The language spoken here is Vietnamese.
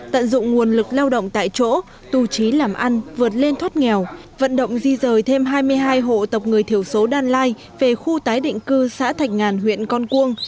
tận dụng nguồn lực lao động tại chỗ tù trí làm ăn vượt lên thoát nghèo vận động di rời thêm hai mươi hai hộ tộc người thiểu số đan lai về khu tái định cư xã thạch ngàn huyện con cuông